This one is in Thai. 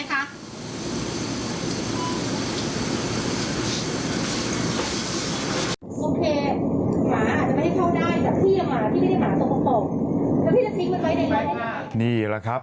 โอเคหมาอาจจะไม่ให้เข้าได้แต่พี่หมาพี่ไม่ได้หมาตรงปล่ม